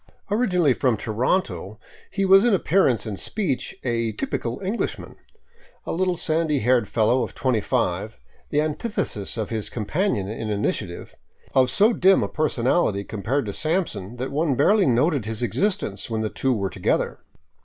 Originally from Toronto, he was in appearance and speech a " typical Englishman," a little sandy haired fellow of twenty five, the antithesis of his com panion in initiative, of so dim a personality compared to Sampson that one barely noted his existence when the two were together.